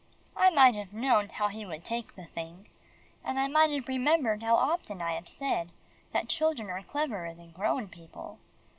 I might have known how he would take the thing, and I might have remembered how often I have said, that children are cleverer than grown people.